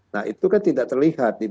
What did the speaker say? nah itu kan tidak terlihat